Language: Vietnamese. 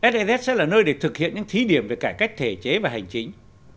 ss sẽ là nơi để thực hiện những thí điểm về cải cách thể chế và hành chính